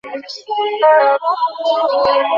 রিডলারও হয়তো সেই পিপাসা ঠেকাতে পারবে না।